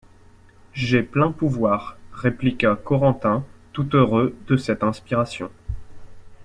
J’ai plein pouvoir... répliqua Corentin, tout heureux de cette inspiration.